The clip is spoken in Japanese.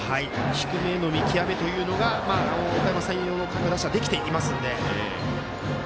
低めへの見極めというのがおかやま山陽の各打者できていますので。